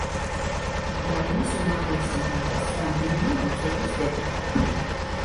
უკრაინის უმაღლესი რადას რამდენიმე მოწვევის დეპუტატი.